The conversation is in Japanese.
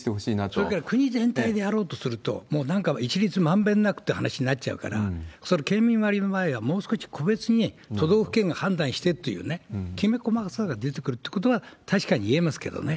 それから国全体でやろうとすると、もうなんか一律まんべんなくって話になっちゃうから、それ、県民割の場合は、もう少し個別に都道府県が判断してって、きめ細かさが出てくるということが確かに言えますけどね。